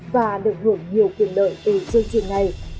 và được hưởng nhiều quyền lợi từ chương trình này